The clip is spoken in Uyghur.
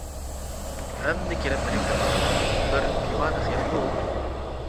ئەمدى كېلىپ مېنىڭ كاللامغا. بىر بىمەنە خىيالغۇ ئۇ؟ !